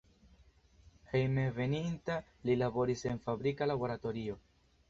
Hejmenveninta, li laboris en fabrika laboratorio.